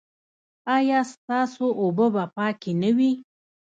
ایا ستاسو اوبه به پاکې نه وي؟